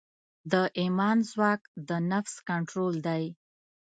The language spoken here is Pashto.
د ایمان ځواک د نفس کنټرول دی.